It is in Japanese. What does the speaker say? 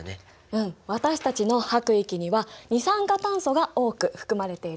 うん私たちの吐く息には二酸化炭素が多く含まれているからね。